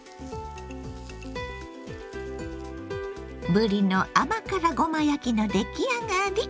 ぶりの甘辛ごま焼きの出来上がり！